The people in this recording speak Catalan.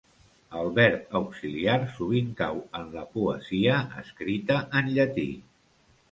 El verb auxiliar sovint cau en la poesia escrita en Llatí.